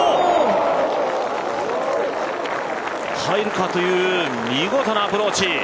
入るかという見事なアプローチ！